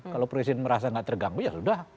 kalau presiden merasa nggak terganggu ya sudah